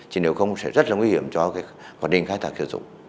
chỉ nếu không sẽ rất là nguy hiểm cho cái quản lý khách thạc hiệu dụng